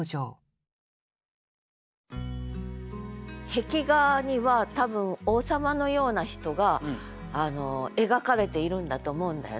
壁画には多分王様のような人が描かれているんだと思うんだよね。